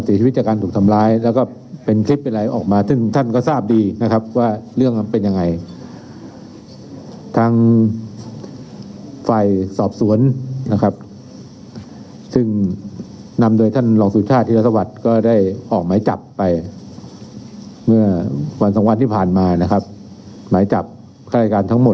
เสียชีวิตใจการถูกทำร้าย